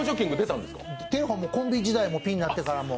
テレフォンも、コンビ時代もピンになってからも。